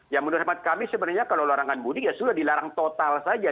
ya menurut hemat kami sebenarnya kalau larangan mudik ya sudah dilarang total saja